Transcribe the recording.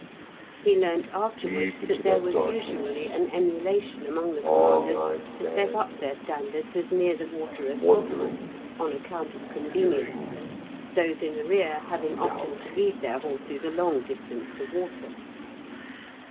He learnt afterwards that there was usually an emulation among the commanders to set up their standards as near the water as possible, on account of convenience, those in the rear having often to lead their horses a long distance to water.